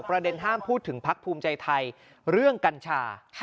ประเด็นห้ามพูดถึงพักภูมิใจไทยเรื่องกัญชา